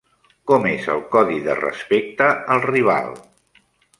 Com és el codi de respecte al rival?